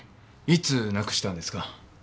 いつなくしたんですか？